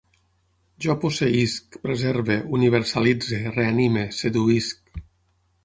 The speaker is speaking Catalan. Jo posseïsc,, preserve, universalitze, reanime, seduïsc